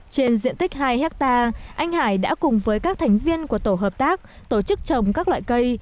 trên diện tích hai hectare anh hải đã cùng với các thành viên của tổ hợp tác tổ chức trồng các loại cây